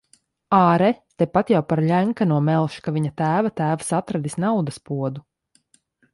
Āre, tepat jau par Ļenkano melš, ka viņa tēva tēvs atradis naudas podu.